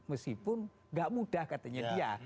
meskipun gak mudah katanya dia